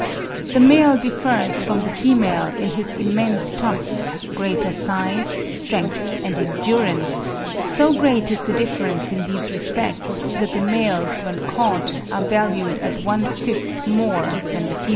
The male differs from the female in his immense tusks, greater size, strength, and endurance; so great is the difference in these respects that the males when caught are valued at one fifth more than the females.